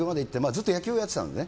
ずっと野球やってたのね。